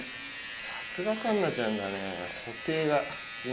さすが環奈ちゃんだね。